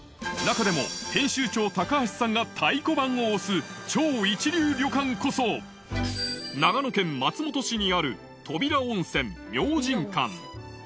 中でも、編集長、高橋さんが太鼓判を押す超一流旅館こそ、長野県松本市にある扉温泉・明神館。